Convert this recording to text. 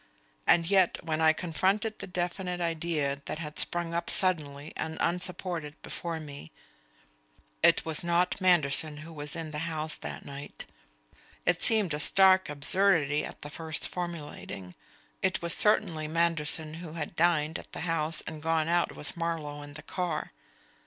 And yet when I confronted the definite idea that had sprung up suddenly and unsupported before me, It was not Manderson who was in the house that night it seemed a stark absurdity at the first formulating. It was certainly Manderson who had dined at the house and gone out with Marlowe in the car.